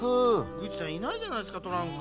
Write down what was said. グッチさんいないじゃないですかトランク。